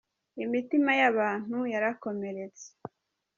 Imitima yabantu yarakomeretse